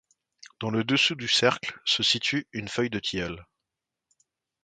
Dans le dessous du cercle se situe une feuille de tilleul.